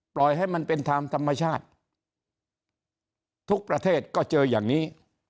ปล่อยให้มันเป็นทางธรรมชาติทุกประเทศก็เจออย่างนี้